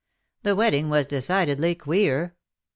The wedding was decidedly queer."